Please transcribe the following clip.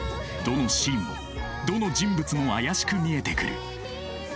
どのシーンもどの人物も怪しく見えてくる。